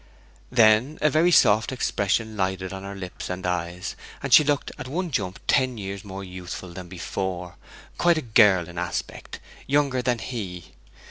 Then a very soft expression lighted on her lips and eyes, and she looked at one jump ten years more youthful than before quite a girl in aspect, younger than he.